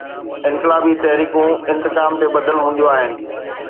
انقلابي تحريڪون انتقام تي ٻڌل هونديون آهن.